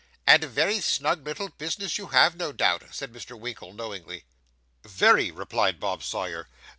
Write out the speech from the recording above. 'And a very snug little business you have, no doubt?' said Mr. Winkle knowingly. 'Very,' replied Bob Sawyer.